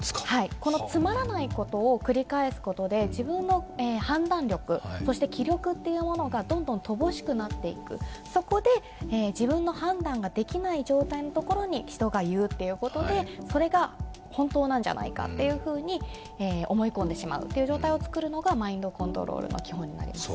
このつまらないことを繰り返すことで自分の判断力、そして気力がどんどん乏しくなっていく、そこで自分の判断ができない状態のところに人が言うということで、それが本当なんじゃないかと思い込んでしまうという状態を作るのがマインドコントロールの基本になります。